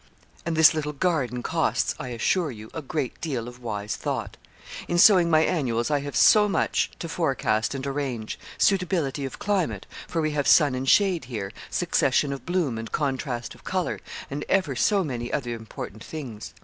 'And this little garden costs, I assure you, a great deal of wise thought. In sowing my annuals I have so much to forecast and arrange; suitability of climate, for we have sun and shade here, succession of bloom and contrast of colour, and ever so many other important things.'